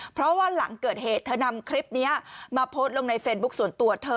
เพราะว่าหลังเกิดเหตุเธอนำคลิปนี้มาโพสต์ลงในเฟซบุ๊คส่วนตัวเธอ